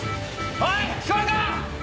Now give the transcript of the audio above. おい聞こえるか！